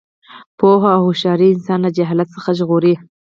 پوهه او هوښیاري انسان له جهالت څخه ژغوري.